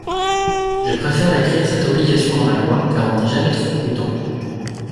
Je préfère écrire cette obligation dans la loi car on n’est jamais trop prudent.